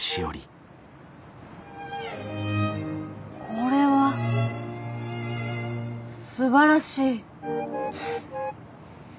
これはすばらしい。